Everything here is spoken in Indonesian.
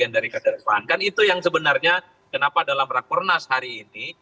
dan itu yang sebenarnya kenapa dalam rak pernas hari ini